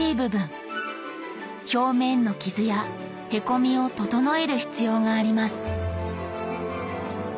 表面の傷やへこみを整える必要があります。